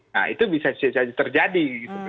nah itu bisa terjadi